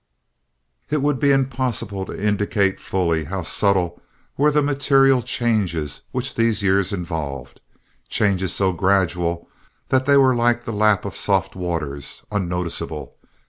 It would be impossible to indicate fully how subtle were the material changes which these years involved—changes so gradual that they were, like the lap of soft waters, unnoticeable.